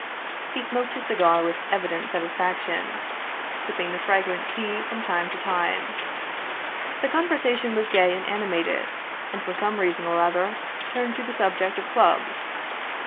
He smoked his cigar with evident satisfaction, sipping the fragrant tea from time to time. The conversation was gay and animated, and for some reason or other turned to the subject of clubs.